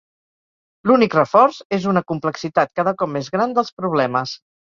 L'únic reforç és una complexitat cada cop més gran dels problemes.